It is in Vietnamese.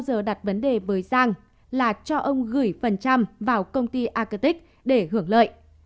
giờ đặt vấn đề với rằng là cho ông gửi phần trăm vào công ty arctic để hưởng lợi